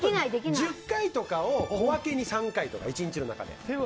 １０回とかを小分けに３回とか１日の中で。